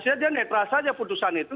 ya dia netral saja putusan itu